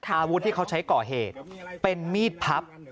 อาวุธที่เขาใช้ก่อเหตุเป็นมีดพับ